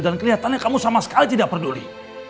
dan kelihatannya kamu sama sekali tidak peduli